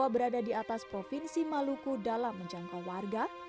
berada di atas provinsi maluku dalam menjangkau warga